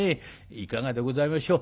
いかがでございましょう。